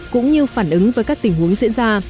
cũng như phản ứng với các tình huống diễn ra